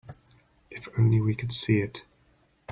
If only we could see it.